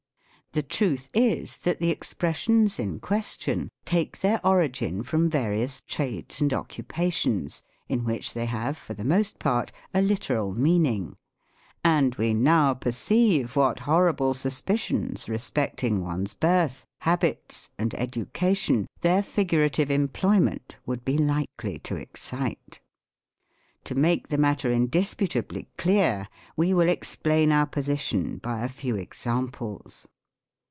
The truth is, that the expressions in question take their origin from various trades and occupations, in which they have for the most part, a literal meaning ; and we now perceive what horrible suspicions respecting one's birth, habits, and education, their figurative employment would be likely to excite. To make the matter indisputably clear, we will explain our position by a few examples.